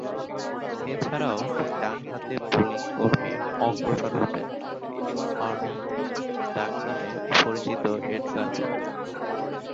এছাড়াও, ডানহাতে বোলিং কর্মে অগ্রসর হতেন ‘আর্নি’ ডাকনামে পরিচিত এডগার মেন।